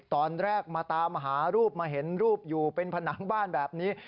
ตอนแรกมาตามหารูปมาเห็นรูปอยู่เป็นผนังบ้านแบบนี้